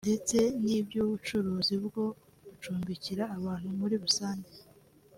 ndetse n’iby’ubucuruzi bwo gucumbikira abantu muri rusange